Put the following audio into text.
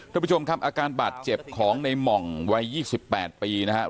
ทุกผู้ชมครับอาการบาดเจ็บของในหม่องวัย๒๘ปีนะครับ